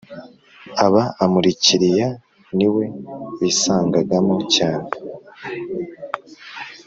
aba umukiriya niwe bisangagamo cyane.